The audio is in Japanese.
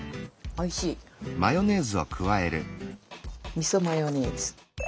みそマヨネーズ。